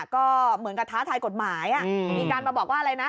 ก็เหมือนกับท้าทายกฎหมายมีการมาบอกว่าอะไรนะ